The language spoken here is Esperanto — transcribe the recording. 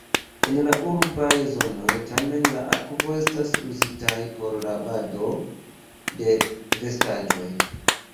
En la urbaj zonoj tamen la akvo estas uzitaj por lavado de vestaĵoj.